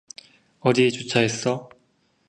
어디에 주차했어?